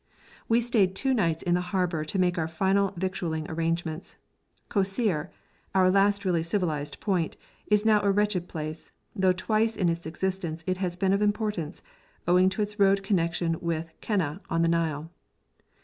We stayed two nights in the harbour to make our final victualling arrangements. Kosseir, our last really civilised point, is now a wretched place, though twice in its existence it has been of importance, owing to its road connection with Keneh on the Nile.